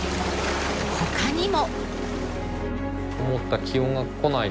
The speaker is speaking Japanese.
他にも。